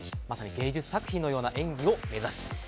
まさに芸術作品のような演技を目指す。